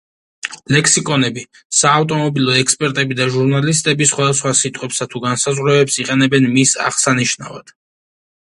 ლექსიკონები, საავტომობილო ექსპერტები და ჟურნალისტები სხვადასხვა სიტყვებსა თუ განსაზღვრებებს იყენებენ მის აღსანიშნავად.